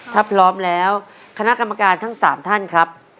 ถ้าพร้อมแล้วคณะกรรมการทั้ง๓ท่านครับ